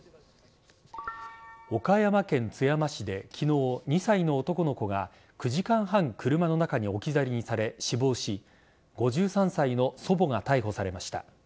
岡山県津山市で昨日２歳の男の子が９時間半車の中に置き去りにされ死亡し５３歳の祖母が逮捕されました。